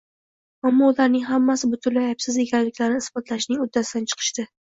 Ammo ularning hammasi butunlay aybsiz ekanliklarini isbotlashning uddasidan chiqishdi